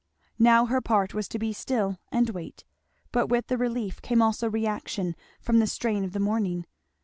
Now her part was to be still and wait. But with the relief came also a reaction from the strain of the morning.